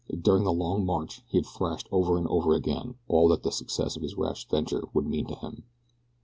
During the long march he had thrashed over again and again all that the success of his rash venture would mean to him.